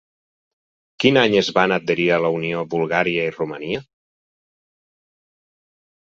Quin any es van adherir a la Unió Bulgària i Romania?